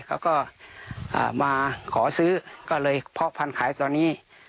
เขาก็มาขอซื้อก็เลยเพาะพันธุ์ขายตอนนี้